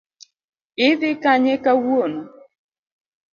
Idhi Kanye kawuono?